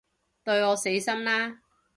對我死心啦